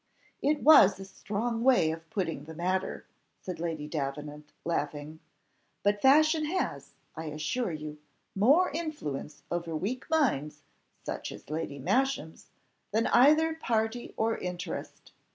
"It was a strong way of putting the matter," said Lady Davenant, laughing: "but fashion has, I assure you, more influence over weak minds, such as Lady Masham's, than either party or interest.